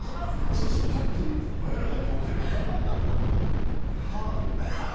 そうすると、パッと真夜中に起きるんですけどはあって。